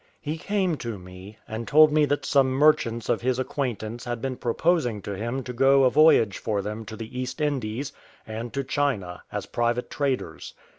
He came to me, and told me that some merchants of his acquaintance had been proposing to him to go a voyage for them to the East Indies, and to China, as private traders.